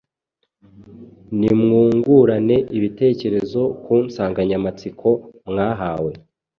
nimwungurane ibitekerezo ku nsanganyamatsiko mwahawe,